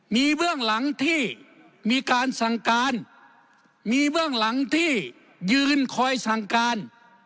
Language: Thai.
มีเบื้องหลังที่มีการสั่งการมีเบื้องหลังที่ยืนคอยสั่งการ